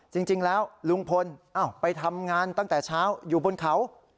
จริงแล้วลุงพลไปทำงานตั้งแต่เช้าอยู่บนเขา